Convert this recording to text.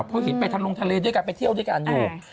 เพราะเห็นไปทะลงทะเลด้วยกันไปเที่ยวด้วยกันอยู่